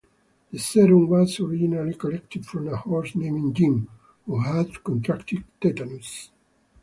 The serum was originally collected from a horse named Jim, who had contracted tetanus.